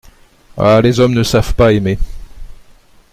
Ah ! les hommes ne savent pas aimer !…